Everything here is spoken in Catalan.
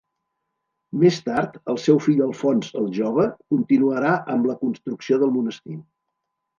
Més tard, el seu fill Alfons el Jove continuarà amb la construcció del monestir.